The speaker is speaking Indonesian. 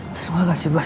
terima kasih banyak